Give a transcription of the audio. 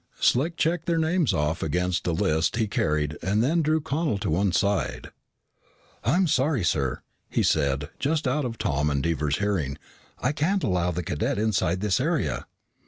Slick checked their names off against a list he carried and then drew Connel to one side. "I'm sorry, sir," he said, just out of Tom and Dever's hearing, "I can't allow the cadet inside this area."